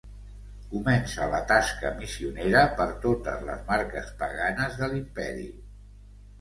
Comença la tasca missionera per totes les marques paganes de l'imperi.